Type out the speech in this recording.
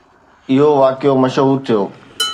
اهو واقعو مشهور ٿيو.